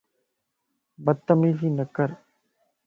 بتميزي نَڪر